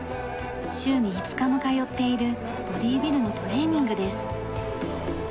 週に５日も通っているボディビルのトレーニングです。